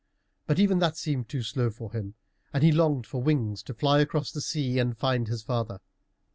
But even that seemed too slow for him, and he longed for wings to fly across the sea and find his father.